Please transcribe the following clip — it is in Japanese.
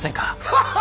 アハハハ